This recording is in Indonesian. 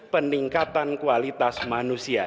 peningkatan kualitas manusia